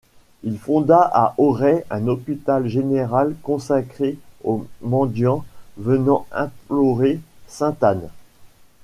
Il fonda à Auray un hôpital général consacré aux mendiants venant implorer sainte Anne.